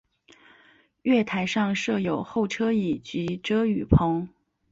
月台上设有候车椅及遮雨棚。